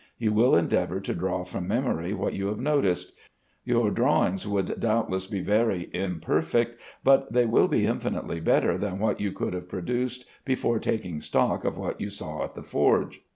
You will endeavor to draw from memory what you have noticed. Your drawings will doubtless be very imperfect, but they will be infinitely better than what you could have produced before taking stock of what you saw at the forge.